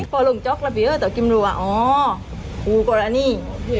พอลงจ๊อกกันเบี้ยต่อกิมรู้ว่าอ๋อโอก็ละนี่เรียงรถนี่